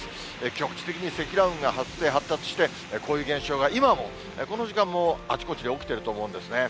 局地的に積乱雲が発生、発達して、こういう現象が今もこの時間もあちこちで起きていると思うんですね。